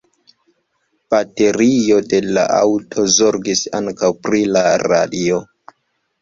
Baterio de la aŭto zorgis ankaŭ pri la radio.